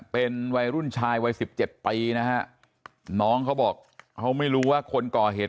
เป็นวัยรุ่นชายวัยสิบเจ็ดปีนะฮะน้องเขาบอกเขาไม่รู้ว่าคนก่อเหตุ